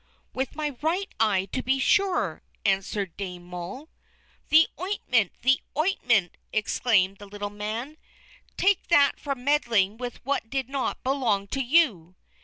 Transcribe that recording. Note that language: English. "With my right eye, to be sure," answered Dame Moll. "The ointment! The ointment!" exclaimed the little man. "Take that for meddling with what did not belong to you!"